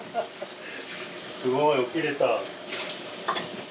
すごい起きれた。